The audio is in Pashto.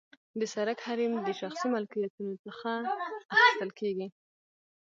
د سرک حریم د شخصي ملکیتونو څخه اخیستل کیږي